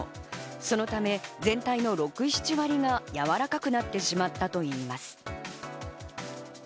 そのため全体の６７割がやわらかくなってしまったといいます。